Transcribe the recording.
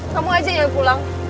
kamu aja yang pulang